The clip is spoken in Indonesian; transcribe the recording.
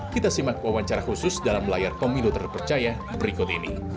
kita simak wawancara khusus dalam layar pemilu terpercaya berikut ini